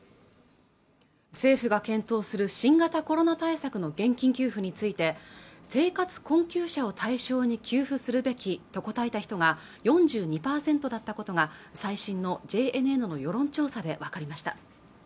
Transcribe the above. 政府が検討する新型コロナ対策の現金給付について生活困窮者を対象に給付するべきと答えた人が４２％だったことが最新のＪＮＮの世論調査でわかりました